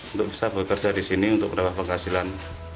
untuk bisa bekerja di sini untuk mendapat penghasilan